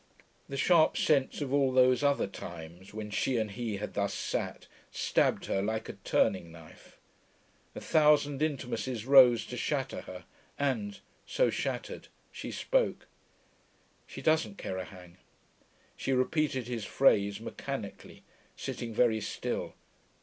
The sharp sense of all those other times when she and he had thus sat stabbed her like a turning knife. A thousand intimacies rose to shatter her, and, so shattered, she spoke. 'She doesn't care a hang.' She repeated his phrase, mechanically, sitting very still.